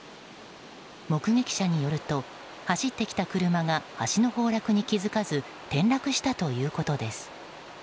目撃者によると走ってきた車が橋の崩落に気づかず転落したということです。